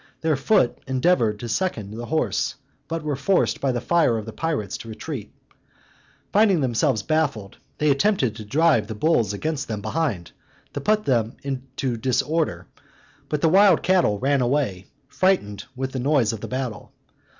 Their foot endeavored to second the horse, but were forced by the fire of the pirates to retreat. Finding themselves baffled, they attempted to drive the bulls against them behind, to put them into disorder; but the wild cattle ran away, frighted with the noise of the battle.